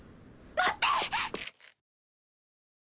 待って！